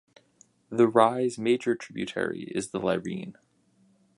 The Rye's major tributary is the Lyreen.